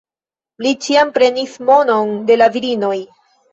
Li ĉiam prenis monon de la virinoj.